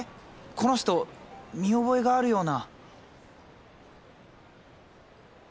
この人見覚えがあるような。